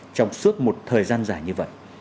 trong suốt một thời gian dài như vậy